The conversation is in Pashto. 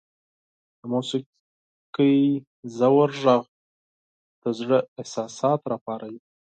• د موسیقۍ ژور ږغ د زړه احساسات راپاروي.